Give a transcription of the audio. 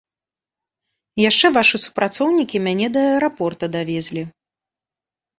Яшчэ вашы супрацоўнікі мяне да аэрапорта давезлі.